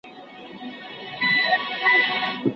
که یو څوک داسې ځای ته وبلل سول.